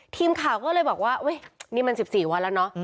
ทีมข่าวก็เลยบอกว่านี่มัน๑๔วันแล้วเนอะ